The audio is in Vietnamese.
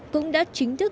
cũng đã chính thức